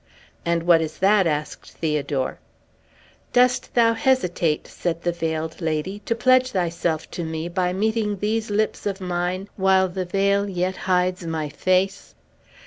"And what is that?" asked Theodore. "Dost thou hesitate," said the Veiled Lady, "to pledge thyself to me, by meeting these lips of mine, while the veil yet hides my face?